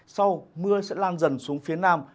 sau mưa sẽ lan dần xuống phía nam